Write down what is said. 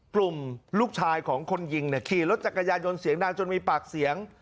กลุ่มลูกชายของคนยิงขี่รถจักรยานยนต์เสียงดังจนมีปากเสียง